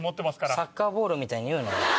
サッカーボールみたいに言うなよ。